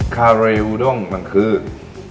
คาเลอูด้งบางคืน